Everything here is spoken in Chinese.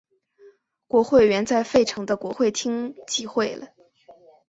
国会原在费城的国会厅集会了。